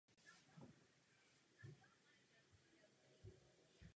Autorem Laser Basicu je firma Oasis Software.